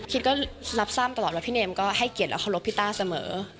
ก็รับทราบตลอดว่าพี่เนมก็ให้เกียรติและเคารพพี่ต้าเสมอ